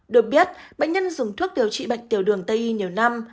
được biết bệnh nhân dùng thuốc điều trị bệnh tiểu đường tây y nhiều năm